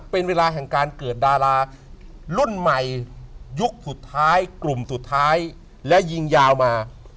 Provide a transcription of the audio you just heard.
เป็นเวลาแห่งการเกิดดารารุ่นใหม่ยุคสุดท้ายกลุ่มสุดท้ายและยิงยาวมา